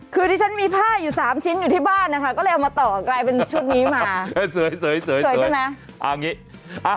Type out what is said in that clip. คือที่ฉันมีผ้าอยู่สามชิ้นอยู่ที่บ้านนะคะก็เลยเอามาต่อกลายเป็นชุดนี้มาเสยใช่ไหม